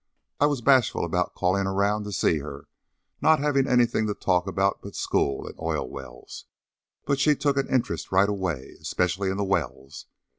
I was bashful about callin' around to see her, not havin' anything to talk about but school an' oil wells, but she took an interest right away, 'specially in the wells.